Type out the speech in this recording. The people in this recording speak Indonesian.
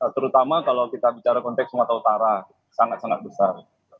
terutama kalau kita bicara konteks sumatera utara sangat sangat besar